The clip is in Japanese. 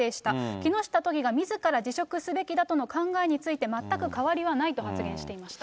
木下都議がみずから辞職すべきだとの考えについて、全く変わりはないと発言していました。